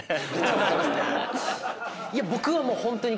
僕はもうホントに。